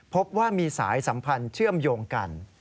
พบว่ามีสายสัมพันธ์เชื่อมโยงกัน